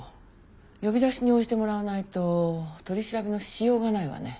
呼び出しに応じてもらわないと取り調べのしようがないわね。